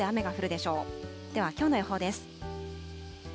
では、きょうの予報です。